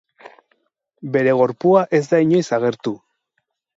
Bere gorpua ez da inoiz agertu.